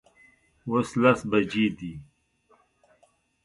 اوس لس بجې دي